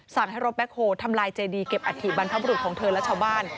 ให้รถแบ็คโฮลทำลายเจดีเก็บอัฐิบรรพบรุษของเธอและชาวบ้าน